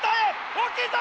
大きいぞ！